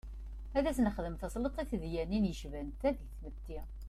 Ad as-nexdem tasleḍt i tedyanin yecban ta deg tmetti?